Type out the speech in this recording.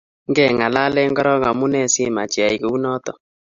ngeng'alanen koro omunee simoche iyai kou noto